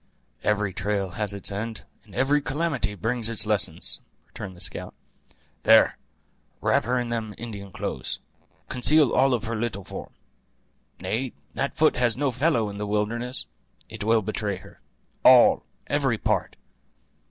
"Every trail has its end, and every calamity brings its lesson!" returned the scout. "There, wrap her in them Indian cloths. Conceal all of her little form. Nay, that foot has no fellow in the wilderness; it will betray her. All, every part.